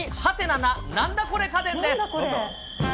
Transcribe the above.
ななんだこれ家電です。